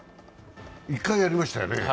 １回やりましたよね。